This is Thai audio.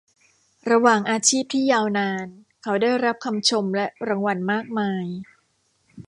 ระหว่างอาชีพที่ยาวนานเขาได้รับคำชมและรางวัลมากมาย